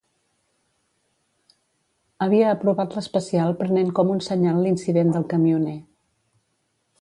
Havia aprovat l'especial prenent com un senyal l’incident del camioner.